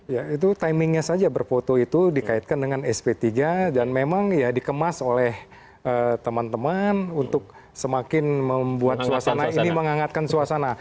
ya itu timingnya saja berfoto itu dikaitkan dengan sp tiga dan memang ya dikemas oleh teman teman untuk semakin membuat suasana ini menghangatkan suasana